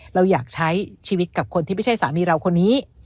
เราอยากใช้ชีวิตกับคนที่ไม่ใช่สามีเราคนนี้